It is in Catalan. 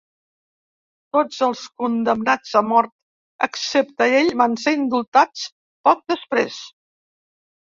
Tots els condemnats a mort, excepte ell, van ser indultats poc després.